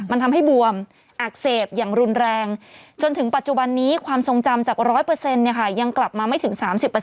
มันทำให้บวมอักเสบอย่างรุนแรงจนถึงปัจจุบันนี้ความทรงจำจาก๑๐๐ยังกลับมาไม่ถึง๓๐